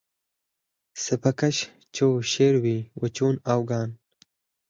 سپه کش چو شیروي و چون آوگان